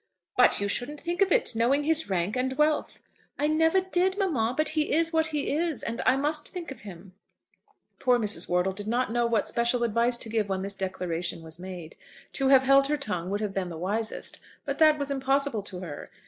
"But you shouldn't think of it, knowing his rank and wealth." "I never did, mamma; but he is what he is, and I must think of him." Poor Mrs. Wortle did not know what special advice to give when this declaration was made. To have held her tongue would have been the wisest, but that was impossible to her.